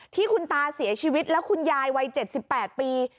ที่คุณตาเสียชีวิตแล้วคุณยายวัย๗๘ปี